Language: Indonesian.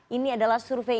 ini adalah survei indikator